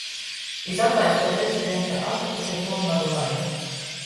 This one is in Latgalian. Iz atlaistuo Prezidenta atlykušū pylnvaru laiku.